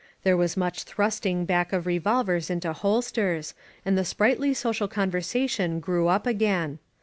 There was much thrusting back of revolvers into holsters, and the sprightly social conversation grew up again.